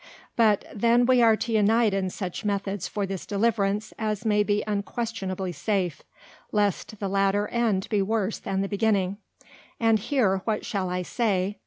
But then we are to unite in such Methods for this deliverance, as may be unquestionably safe, lest the latter end be worse than the beginning. And here, what shall I say?